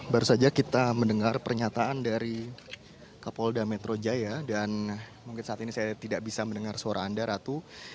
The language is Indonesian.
baru saja kita mendengar pernyataan dari kapolda metro jaya dan mungkin saat ini saya tidak bisa mendengar suara anda ratu